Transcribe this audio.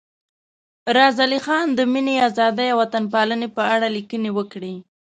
زار علي خان د مینې، ازادۍ او وطن پالنې په اړه لیکنې وکړې.